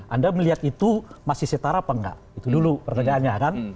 anda melihat itu masih setara apa enggak itu dulu pertanyaannya kan